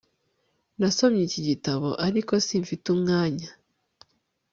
nasomye iki gitabo, ariko simfite umwanya serhiy